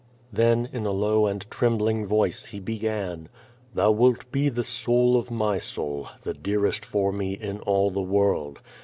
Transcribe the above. Then in a low and trembling voice he began: "Thou wilt be the soul of my soul, the dearest for me in all the world.